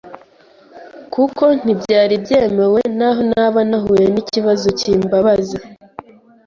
kuko ntibyari byemewe naho naba nahuye n’ikintu kimbabaza